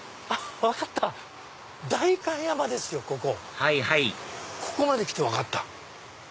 はいはいここまで来て分かった。